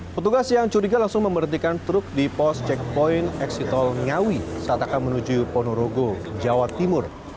petugas yang curiga langsung memerhentikan truk di pos checkpoint eksitol ngawi saat akan menuju ponorogo jawa timur